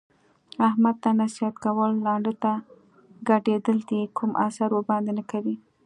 احمد ته نصیحت کول ړانده ته ګډېدل دي کوم اثر ورباندې نه کوي.